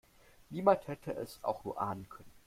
Niemand hätte es auch nur ahnen können.